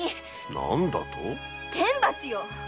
何だと⁉天罰よ‼